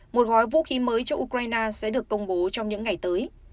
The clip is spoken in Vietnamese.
một gói vũ khí mới cho ukraine sẽ được công bố trong những ngày tới